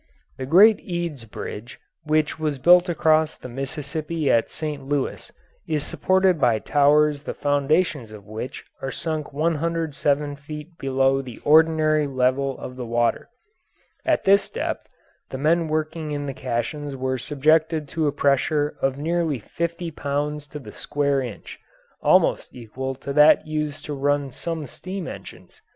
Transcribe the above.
The great Eads Bridge, which was built across the Mississippi at St. Louis, is supported by towers the foundations of which are sunk 107 feet below the ordinary level of the water; at this depth the men working in the caissons were subjected to a pressure of nearly fifty pounds to the square inch, almost equal to that used to run some steam engines.